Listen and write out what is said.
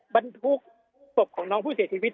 บรรทุกศพของน้องผู้เสียชีวิต